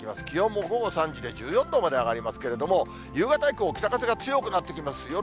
気温も午後３時で１４度まで上がりますけれども、夕方以降、北風が強くなってきます。